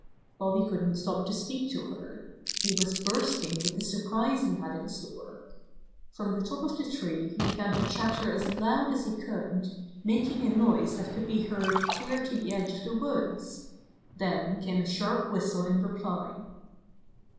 Bobby couldn't stop to speak to her. He was bursting with the surprise he had in store. From the top of the tree he began to chatter as loud as he could, making a noise that could Bobby Induces the Birds to Return 127 be heard clear to the edge of the woods. Then came a sharp whistle in reply.